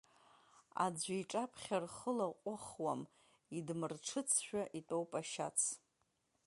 Аӡәы иҿаԥхьа рхы лаҟәыхуам, идмырҽыцшәа итәоуп ашьац.